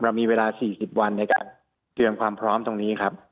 มีเวลา๔๐วันในการเตรียมความพร้อมตรงนี้ครับ